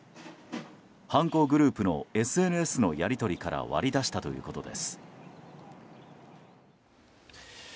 犯行グループのＳＮＳのやり取りから割り出したということです。